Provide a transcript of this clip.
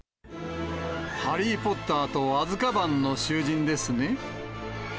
ハリー・ポッターとアズカバンの囚人ですね。